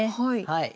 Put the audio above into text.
はい。